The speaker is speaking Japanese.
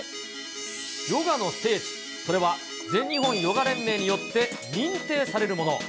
ヨガの聖地、それは全日本ヨガ連盟によって、認定されるもの。